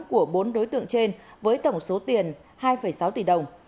của bốn đối tượng trên với tổng số tiền hai sáu tỷ đồng